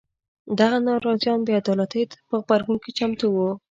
دغه ناراضیان بې عدالیتو په غبرګون کې چمتو وو.